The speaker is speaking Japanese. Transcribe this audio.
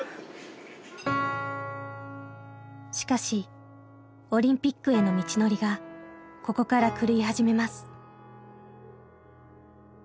しかしオリンピックへの道のりがここから狂い始めます。